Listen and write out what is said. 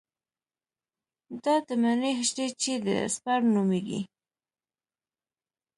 دا د مني حجرې چې دي سپرم نومېږي.